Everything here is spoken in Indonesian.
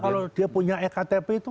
kalau dia punya ektp itu